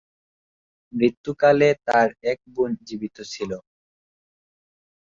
মৃত্যুকালে তার এক বোন জীবিত ছিল।